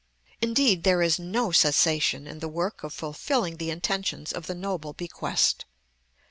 Indeed, there is no cessation in the work of fulfilling the intentions of the noble bequest.